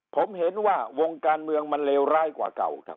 ผมเห็นว่าวงการเมืองมันเลวร้ายกว่าเก่าครับ